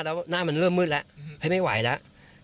แล้วหน้ามันเริ่มมืดแล้วให้ไม่ไหวแล้ว